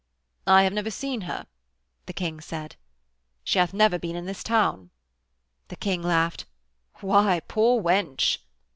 'I have never seen her,' the King said. 'Sh'ath never been in this town.' The King laughed: 'Why, poor wench!'